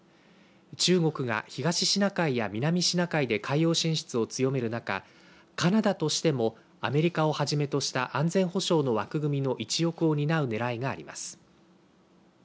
中国が東シナ海や南シナ海で海洋進出を強める中カナダとしてもアメリカをはじめとした安全保障の枠組みの一翼を担う狙いがあります。